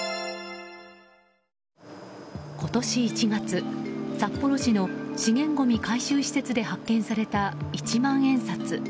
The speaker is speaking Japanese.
今年１月札幌市の資源ごみ回収施設で発見された、一万円札。